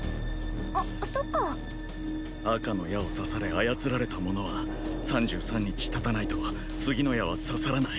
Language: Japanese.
あっそっか赤の矢を刺され操られた者は３３日たたないと次の矢は刺さらない